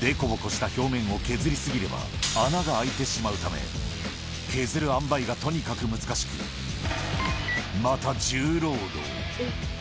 凸凹した表面を削り過ぎれば、穴が開いてしまうため、削るあんばいがとにかく難しく、また重労働。